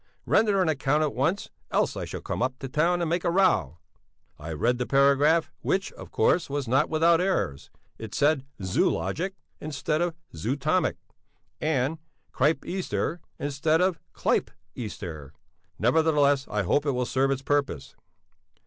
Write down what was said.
Render an account at once, else I shall come up to town and make a row. I have read the paragraph, which, of course, was not without errors. It said zoologic instead of zootomic, and Crypeaster instead of Clypeaster. Nevertheless, I hope it will serve its purpose.